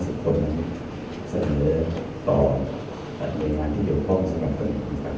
เสนอต่อในงานที่เดี๋ยวพ่อสมัครตรวจคล้าย